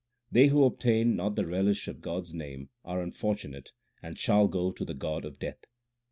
They who obtain not the relish of God s name are unfor tunate, and shall go to the god of death.